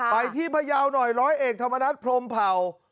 ไปที่พยาวหน่อยร้อยเอกธรรมนัฐพรมเผ่า